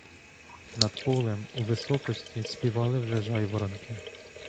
Над полем,, у високості, співали вже жайворонки.